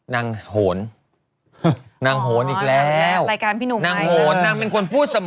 นางโหนนางโหนอีกแล้วนางโหนนางเป็นคนพูดเสมอ